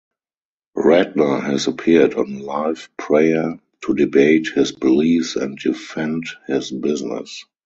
Redner has appeared on Live Prayer to debate his beliefs and defend his business.